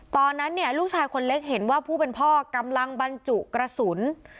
ตอนนั้นเนี่ยลูกชายคนเล็กเห็นว่าผู้เป็นพ่อกำลังบรรจุกระสุน